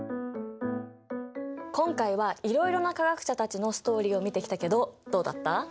今回はいろいろな化学者たちのストーリーを見てきたけどどうだった？